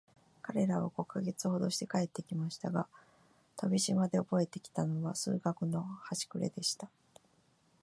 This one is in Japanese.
彼等は五ヵ月ほどして帰って来ましたが、飛島でおぼえて来たのは、数学のはしくれでした。